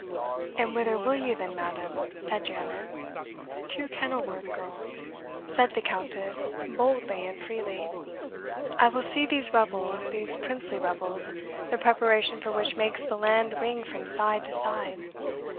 "And whither will you, then, madam?" said Janet. "To Kenilworth, girl," said the Countess, boldly and freely. "I will see these revels these princely revels the preparation for which makes the land ring from side to side.